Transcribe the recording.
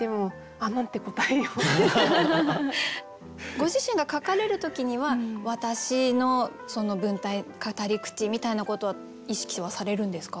ご自身が書かれる時には私の文体語り口みたいなことは意識はされるんですか？